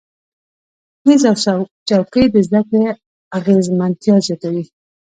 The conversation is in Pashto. میز او چوکۍ د زده کړې اغیزمنتیا زیاتوي.